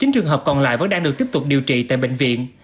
chín trường hợp còn lại vẫn đang được tiếp tục điều trị tại bệnh viện